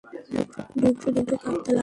ডুকরে ডুকরে কাঁদতে লাগলেন।